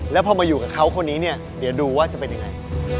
แล้วพอมาอยู่กับเขาคนนี้เนี่ยเดี๋ยวดูว่าจะเป็นยังไง